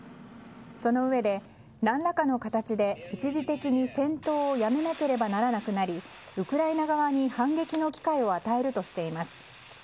そのうえで何らかの形で一時的に戦闘をやめなければならなくなりウクライナ側に反撃の機会を与えるとしています。